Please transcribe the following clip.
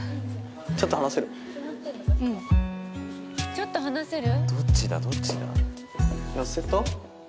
「ちょっと話せる？」。